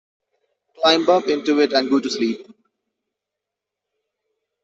Climb up into it and go to sleep.